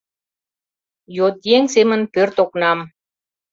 Йотъеҥ семын пӧрт окнам